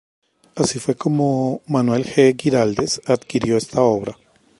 Así fue como Manuel G. Güiraldes adquirió esta obra.